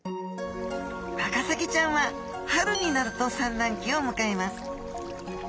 ワカサギちゃんは春になると産卵期を迎えます。